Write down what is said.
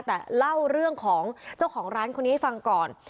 แต่เล่าเรื่องของเจ้าของร้านคนนี้ให้ฟังก่อน